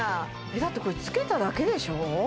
だってこれつけただけでしょ？